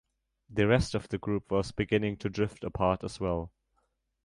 The rest of the group was beginning to drift apart as well.